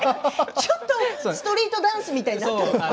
ストリートダンスみたいになっている。